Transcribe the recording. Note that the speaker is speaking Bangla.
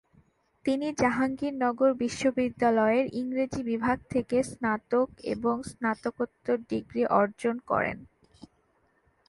তিনি জাহাঙ্গীরনগর বিশ্ববিদ্যালয়ের ইংরেজি বিভাগ থেকে স্নাতক এবং স্নাতকোত্তর ডিগ্রি অর্জন করেন।